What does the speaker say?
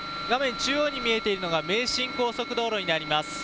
中央に見えているのが名神高速道路になります。